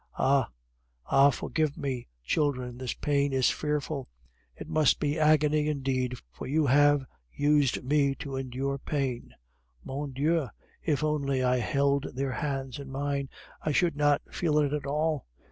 Ah! ah! forgive me, children, this pain is fearful; it must be agony indeed, for you have used me to endure pain. Mon Dieu! if only I held their hands in mine, I should not feel it at all.